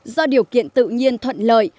do điều kiện tự nhiên thuận lợi